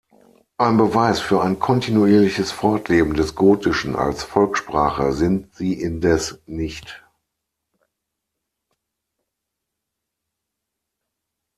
Ein Beweis für ein kontinuierliches Fortleben des Gotischen als Volkssprache sind sie indes nicht.